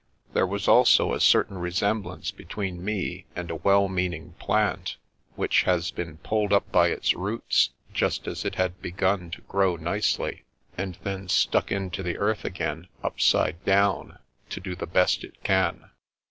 There was also a certain resemblance between me and a well meaning plant which has been pulled up by its roots just as it had begun to grow nicely, and then stuck into the earth again, upside down, to do the best it can.